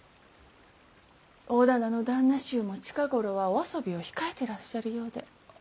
大店の旦那衆も近頃はお遊びを控えてらっしゃるようで。